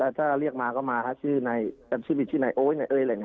แล้วถ้าเรียกมาก็มาชื่อในชื่อชื่อในโอ้ยอะไรค่ะ